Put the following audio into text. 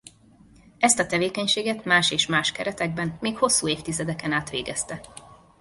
Ezt a tevékenységet más és más keretekben még hosszú évtizedeken át végezte.